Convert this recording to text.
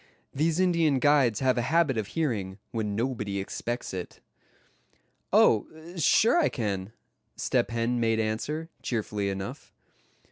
These Indian guides have a habit of hearing, when nobody expects it. "Oh! sure, I can," Step Hen made answer, cheerfully enough.